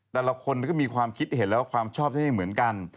แต่ละคนก็มีความคิดเห็นแล้วความชอบที่ไม่เหมือนกัน